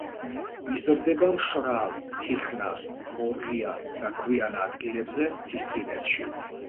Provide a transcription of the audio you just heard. იზრდება მშრალ, თიხნარ, ღორღიან და ქვიან ადგილებზე მთისწინეთში.